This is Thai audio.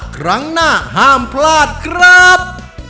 ครั้งหน้าห้ามพลาดครับ